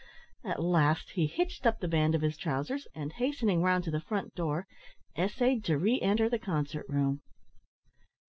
At last he hitched up the band of his trousers, and, hastening round to the front door, essayed to re enter the concert room.